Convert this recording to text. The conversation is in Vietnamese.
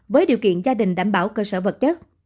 với điều kiện gia đình đảm bảo cơ sở vật chất